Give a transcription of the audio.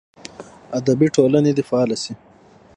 ادبي ټولنې دې فعاله سي.